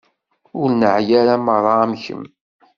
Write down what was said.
Ur neεya ara merra am kemm.